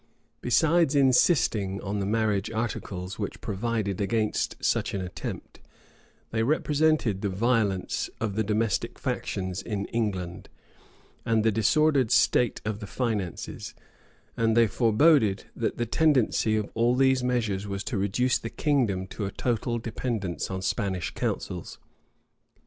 Besides insisting on the marriage articles, which provided against such an attempt, they represented the violence of the domestic factions in England, and the disordered state of the finances; and they foreboded, that the tendency of all these measures was to reduce the kingdom to a total dependence on Spanish counsels.